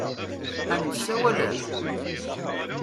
Ad n-tsawalem?